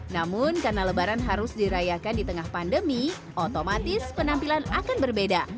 namun karena lebaran harus dirayakan di tengah pandemi otomatis penampilan akan berbeda